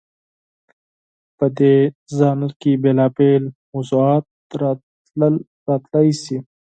په دې ژانر کې بېلابېل موضوعات راتلی شي.